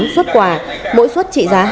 ba mươi tám suất quà mỗi suất trị giá